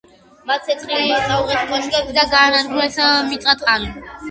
მათ ცეცხლი წაუკიდეს კოშკებს და გაანადგურეს მიწაყრილი.